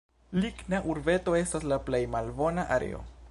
Ligna Urbeto estas la plej malnova areo.